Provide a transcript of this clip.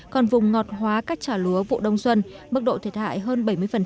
còn vùng ngọt hóa cắt trà lúa vụ đông xuân mức độ thiệt hại hơn bảy mươi